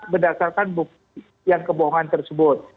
berdasarkan bukti yang kebohongan tersebut